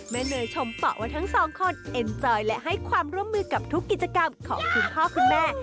เนยชมเป่าว่าทั้งสองคนเอ็นจอยและให้ความร่วมมือกับทุกกิจกรรมของคุณพ่อคุณแม่